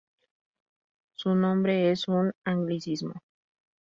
Su nombre es un anglicismo.